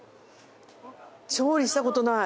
調理した事ない。